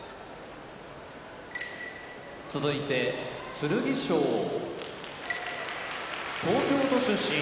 剣翔東京都出身